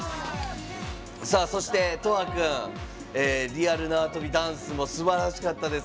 そして、とあくんリアルなわとびダンスすばらしかったです。